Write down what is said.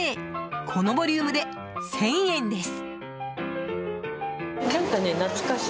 このボリュームで１０００円です。